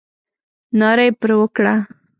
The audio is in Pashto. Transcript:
ناره یې پر وکړه.